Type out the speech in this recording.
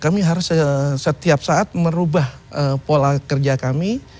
jadi kita harus setiap saat merubah pola kerja kami